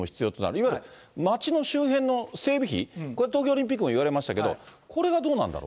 いわゆる街の周辺の整備費、これ、東京オリンピックも言われましたけれども、これはどうなんだろう。